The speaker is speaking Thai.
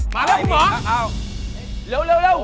มาเร็วพี่หมอ